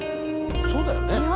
そうだよね。